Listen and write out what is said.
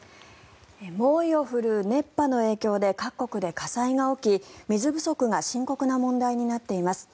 猛威を振るう熱波の影響で各国で火災が起き水不足が深刻な問題になっています。